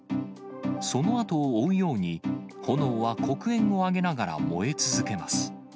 そのあとを追うように、炎は黒煙を上げながら燃え続けます。